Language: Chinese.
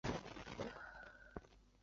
马朗人口变化图示